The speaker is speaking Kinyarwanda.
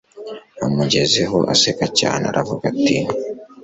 amugezeho aseka cyane aravuga ati